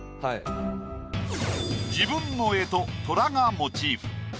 自分の干支トラがモチーフ。